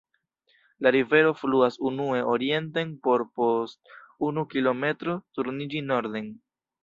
La rivero fluas unue orienten por post unu kilometro turniĝi norden.